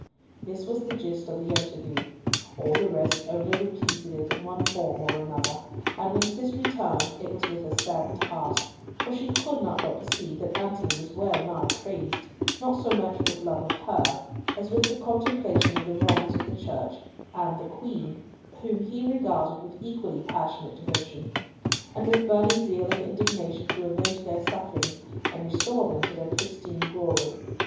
This was the gist of the interview. All the rest only repeated it in one form or another; and when Cis returned, it was with a saddened heart, for she could not but perceive that Antony was well nigh crazed, not so much with love of her, as with the contemplation of the wrongs of the Church and the Queen, whom he regarded with equally passionate devotion, and with burning zeal and indignation to avenge their sufferings, and restore them to their pristine glory.